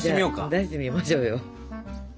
出してみましょうよ。